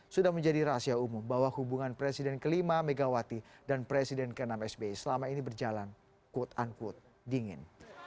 sudah menjadi rahasia umum bahwa hubungan presiden kelima megawati dan presiden ke enam sbi selama ini berjalan quote unquote dingin